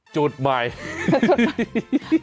จุดใหม่